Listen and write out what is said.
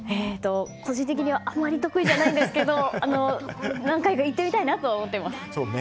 個人的にはあまり得意じゃないんですけど何回か行ってみたいなと思っています。